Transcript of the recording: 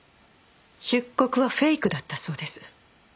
出国はフェイクだったそうです。